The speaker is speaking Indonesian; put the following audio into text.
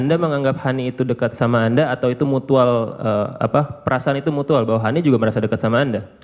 anda menganggap hani itu dekat sama anda atau itu mutual perasaan itu mutual bahwa hani juga merasa dekat sama anda